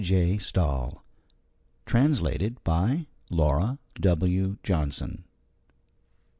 J. STAHL. TRANSLATED BY LAURA W. JOHNSON.